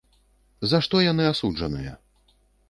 За што яны асуджаныя?